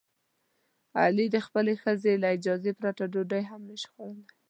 علي د خپلې ښځې له اجازې پرته ډوډۍ هم نشي خوړلی.